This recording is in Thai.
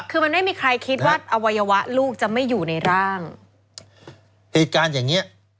คือมันไม่มีใครคิดว่าอวัยวะลูกจะไม่อยู่ในร่างเหตุการณ์อย่างเงี้ย